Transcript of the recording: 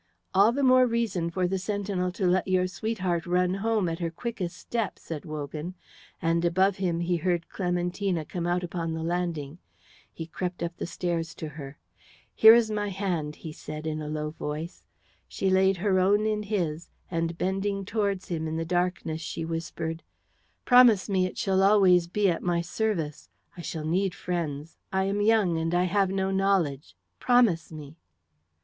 "All the more reason for the sentinel to let your sweetheart run home at her quickest step," said Wogan, and above him he heard Clementina come out upon the landing. He crept up the stairs to her. "Here is my hand," said he, in a low voice. She laid her own in his, and bending towards him in the darkness she whispered, "Promise me it shall always be at my service. I shall need friends. I am young, and I have no knowledge. Promise me!"